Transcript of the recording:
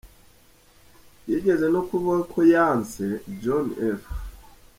Yigeze no kuvuga ko yanse John F.